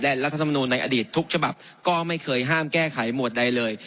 และรัฐธรรมนูลในอดีตทุกฉบับก็ไม่เคยห้ามแก้ไขหมวดใดเลย